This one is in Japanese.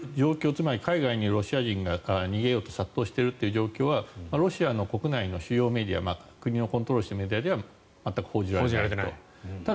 つまり海外にロシア人が逃げようと殺到しているという状況はロシアの国内の主要メディア国がコントロールしているメディアでは全く報じられていないと。